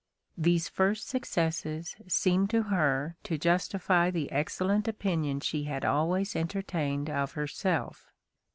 These first successes seemed to her to justify the excellent opinion she had always entertained of herself.